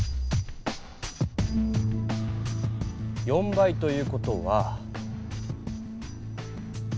４倍という事は。